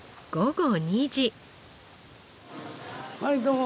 はいどうも。